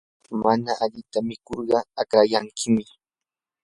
mana alita mikurqa haqrayankim.